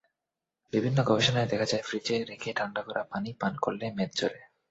বিভিন্ন গবেষণায় দেখা যায়, ফ্রিজে রেখে ঠান্ডা করা পানি পান করলে মেদ ঝরে।